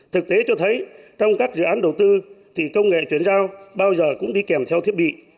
thực tế cho thấy trong các dự án đầu tư thì công nghệ chuyển giao bao giờ cũng đi kèm theo thiết bị